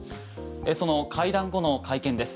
その会談後の会見です。